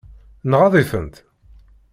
Nɣaḍ-itent?